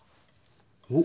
おっ！